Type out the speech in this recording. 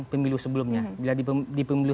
pemilu sebelumnya bila di pemilu